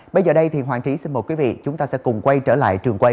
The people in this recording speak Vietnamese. bây giờ đây thì hoàng trí xin mời quý vị chúng ta sẽ cùng quay trở lại trường quay